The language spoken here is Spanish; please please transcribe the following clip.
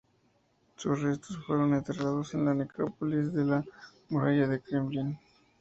Sus restos fueron enterrados en la Necrópolis de la Muralla del Kremlin.